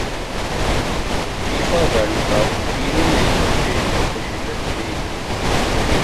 FIFA world cup Peru نے Australia کو شکست دیدی